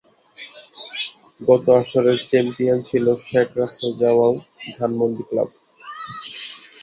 গত আসরের চ্যাম্পিয়ন ছিলো শেখ জামাল ধানমন্ডি ক্লাব।